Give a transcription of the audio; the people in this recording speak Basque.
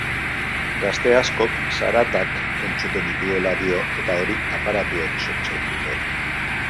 Gazte askok zaratak entzuten dituela dio eta hori aparatuek sortzen dute.